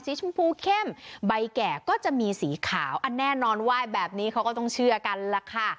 ชมพูเข้มใบแก่ก็จะมีสีขาวอันแน่นอนไหว้แบบนี้เขาก็ต้องเชื่อกันล่ะค่ะ